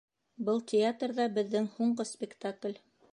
Был театрҙа беҙҙең һуңғы спектакль.